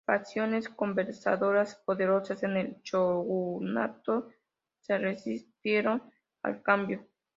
Facciones conservadoras poderosas en el shogunato se resistieron al cambio.